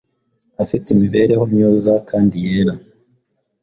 afite imibereho myuza kandi yera;